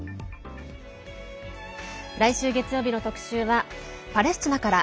来週月曜日の特集はパレスチナから。